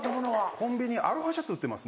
コンビニにアロハシャツ売ってます。